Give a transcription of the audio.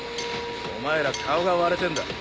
お前ら顔が割れてんだ。